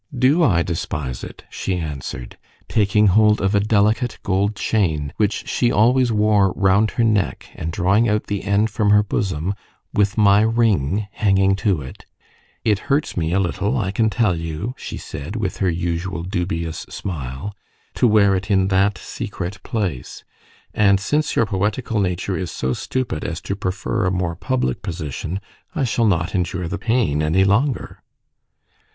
"Do I despise it?" she answered, taking hold of a delicate gold chain which she always wore round her neck and drawing out the end from her bosom with my ring hanging to it; "it hurts me a little, I can tell you," she said, with her usual dubious smile, "to wear it in that secret place; and since your poetical nature is so stupid as to prefer a more public position, I shall not endure the pain any longer."